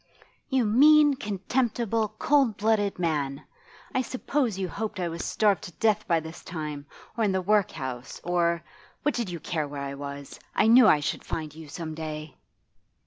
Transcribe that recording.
'You mean, contemptible, cold blooded man! I suppose you hoped I was starved to death by this time, or in the workhouse, or what did you care where I was! I knew I should find you some day.